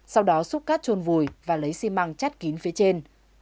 sau đó xúc cát trôn vùi và lấy xi măng chát kín phía trên